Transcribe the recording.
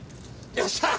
よっしゃー！